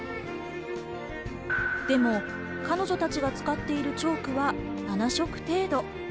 でも彼女たちが使っているチョークは７色程度。